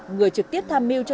người trực tiếp tham mưu cho